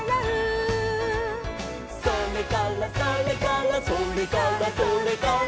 「それからそれからそれからそれから」